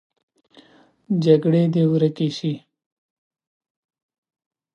جګړې دې ورکې شي